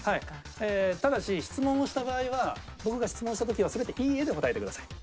ただし質問をした場合は僕が質問した時は全て「いいえ」で答えてください。